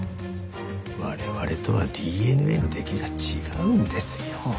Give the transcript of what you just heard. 我々とはＤＮＡの出来が違うんですよ。